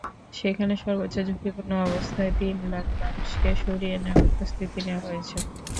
সেখানে সর্বোচ্চ ঝুঁকিপূর্ণ অবস্থায় তিন লাখ মানুষকে সরিয়ে নেওয়ার প্রস্তুতি নেওয়া হয়েছে।